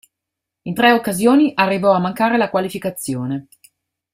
In tre occasioni arrivò a mancare la qualificazione.